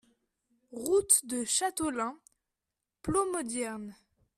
Route de Châteaulin, Plomodiern